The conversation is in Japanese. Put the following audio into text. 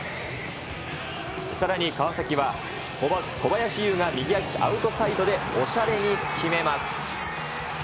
さらに川崎は小林悠が右足アウトサイドでおしゃれに決めます。